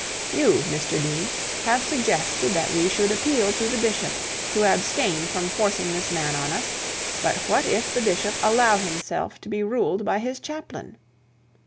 You, Mr Dean, have suggested that we should appeal to the bishop to abstain from forcing this man on us; but what if the bishop allow himself to be ruled by his chaplain?